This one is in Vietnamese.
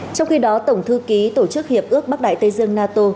trong khi đó tổng thư ký tổ chức hiệp ước bắc đại tây dương nato